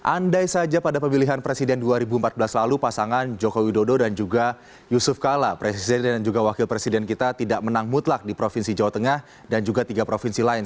andai saja pada pemilihan presiden dua ribu empat belas lalu pasangan joko widodo dan juga yusuf kala presiden dan juga wakil presiden kita tidak menang mutlak di provinsi jawa tengah dan juga tiga provinsi lain